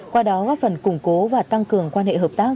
qua đó góp phần củng cố và tăng cường quan hệ hợp tác